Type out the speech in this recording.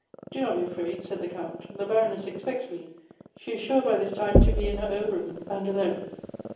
" Do not be afraid," said the Count ;" the Baroness ex pects me. She is sure by this time to be in her own room, and alone."